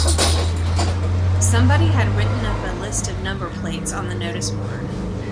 Somebody had written up a list of number plates on the noticeboard